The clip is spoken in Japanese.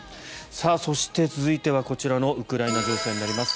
そして、続いてはこちらのウクライナ情勢になります。